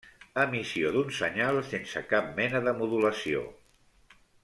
Emissió d'un senyal sense cap mena de modulació.